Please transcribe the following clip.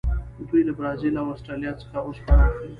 دوی له برازیل او اسټرالیا څخه اوسپنه اخلي.